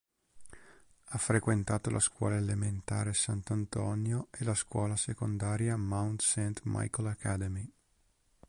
Ha frequentato la scuola elementare "Sant'Antonio" e la scuola secondaria "Mount Saint Michael Academy".